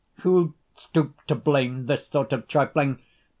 Who'd stoop to blame This sort of trifling?